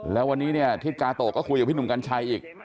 แล้ววันนี้เนี่ยทิศกาโตะก็คุยกับพี่หนุ่มกัญชัยอีก